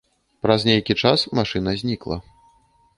Праз нейкі час машына знікла.